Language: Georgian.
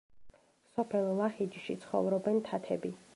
სოფელ ლაჰიჯში ცხოვრობენ თათები.